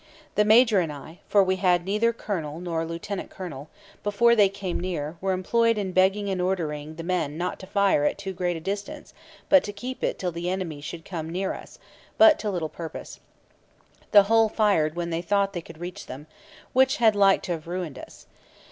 The major and I (for we had neither colonel nor lieutenant colonel), before they came near, were employed in begging and ordering the men not to fire at too great a distance, but to keep it till the enemy should come near us; but to little purpose. The whole fired when they thought they could reach them, which had like to have ruined us.